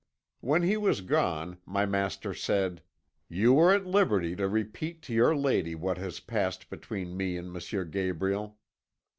"When he was gone my master said: "'You are at liberty to repeat to your lady what has passed between me and M. Gabriel.'